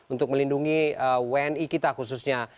untuk melindungi wni kita khususnya